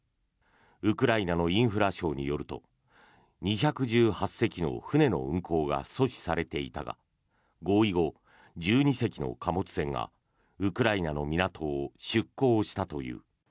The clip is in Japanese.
ウクライナのインフラ省によると２１８隻の船の運航が阻止されていたが合意後、１２隻の貨物船がウクライナの港を出港したという。